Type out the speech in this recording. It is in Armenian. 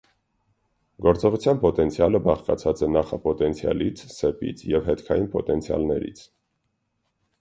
Գործողության պոտենցիալը բաղկացած է նախապոտենցիալից, սեպից և հետքային պոտենցիալներից։